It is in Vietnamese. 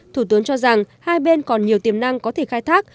thủ tướng cho rằng hai bên còn nhiều tiềm năng có thể khai thác